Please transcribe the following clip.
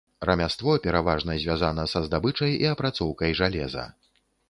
Рамяство пераважна звязана са здабычай і апрацоўкай жалеза.